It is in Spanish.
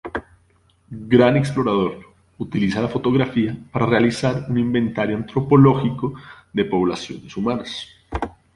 Gran explorador, utiliza la fotografía para realizar un inventario antropológico de poblaciones humanas.